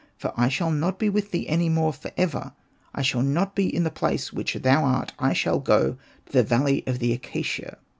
For I shall not be with thee any more for ever ; I shall not be in the place in which thou art ; I shall go to the valley of the acacia."